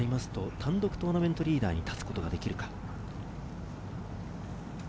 単独トーナメントリーダーに立つことができるか？